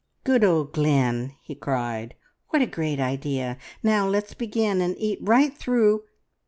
"Good old Glynn!" he cried. "What a great idea! Now let's begin, and eat right through..."